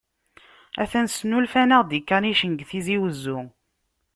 Atan snulfan-aɣ-d ikanicen di Tizi-Wezzu.